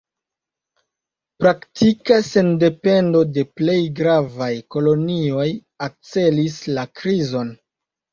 Praktika sendependo de plej gravaj kolonioj akcelis la krizon.